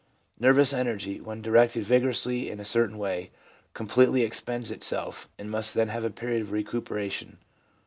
Nervous energy, when directed vigor ously in a certain way, completely expends itself, and must then have a period of recuperation.